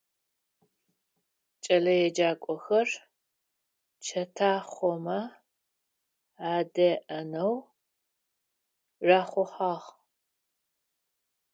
Кӏэлэеджакӏохэр чэтахъомэ адеӏэнэу рахъухьагъ.